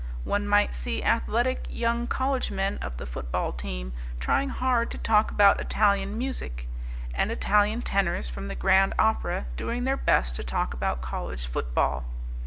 One might see athletic young college men of the football team trying hard to talk about Italian music; and Italian tenors from the Grand Opera doing their best to talk about college football.